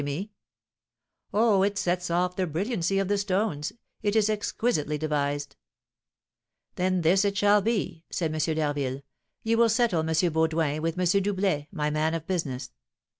"Oh, it sets off the brilliancy of the stones; it is exquisitely devised." "Then this it shall be," said M. d'Harville. "You will settle, M. Baudoin, with M. Doublet, my man of business."